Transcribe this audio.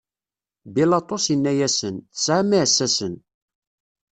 Bilaṭus inna-asen: Tesɛam iɛessasen.